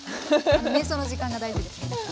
瞑想の時間が大事です。